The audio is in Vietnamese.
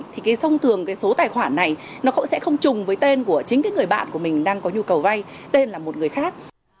thì thông thường số tài khoản này sẽ không chùng với tên của chính người bạn của mình đang có nhu cầu vay tên là một người khác